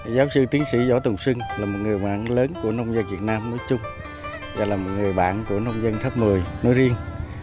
giáo sư tiến sĩ võ tùng sưng là một người bạn lớn của nông dân việt nam nói chung và là một người bạn của nông dân thấp một mươi nói riêng